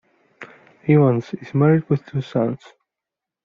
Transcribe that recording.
Evans is married with two sons.